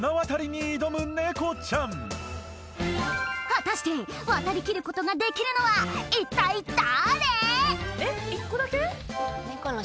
果たして渡りきることができるのは一体誰？